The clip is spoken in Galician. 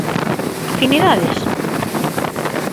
Afinidades?